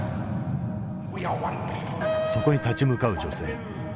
そこに立ち向かう女性。